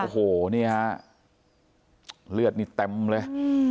โอ้โหนี่ฮะเลือดนี่เต็มเลย